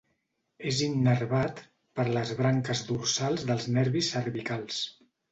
És innervat per les branques dorsals dels nervis cervicals.